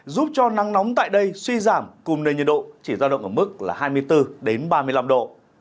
giúp cho nắng nóng tại đây suy giảm cùng nền nhiệt độ chỉ giao động ở mức là hai mươi bốn ba mươi năm độ